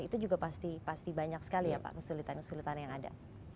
itu juga pasti banyak sekali ya pak kesulitan kesulitan yang ada